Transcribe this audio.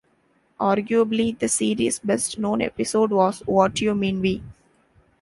Arguably the series' best-known episode was What You Mean We?